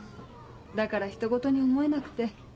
だからひとごとに思えなくて。